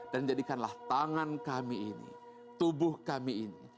dan jadikanlah tangan kami ini tubuh kami ini